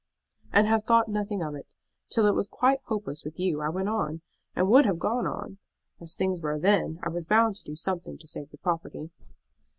"And have thought nothing of it. Till it was quite hopeless with you I went on, and would have gone on. As things were then, I was bound to do something to save the property."